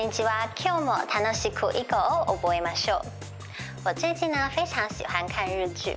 今日も楽しく囲碁を覚えましょう。